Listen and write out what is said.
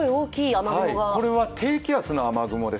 これは低気圧の雨雲です。